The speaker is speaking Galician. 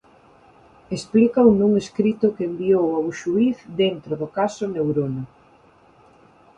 Explícao nun escrito que enviou ao xuíz dentro do caso Neurona.